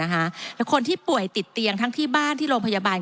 แล้วคนที่ป่วยติดเตียงทั้งที่บ้านที่โรงพยาบาล